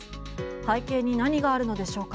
背景に何があるのでしょうか？